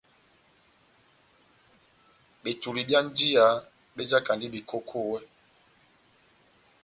Betoli byá njiya bejakandi bekokowɛ.